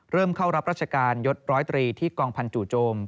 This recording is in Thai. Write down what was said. เริ่มเข้ารับราชการยศ๑๐๓ที่กองพันจุโจม